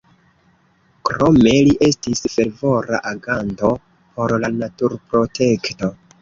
Krome li estis fervora aganto por la naturprotekto.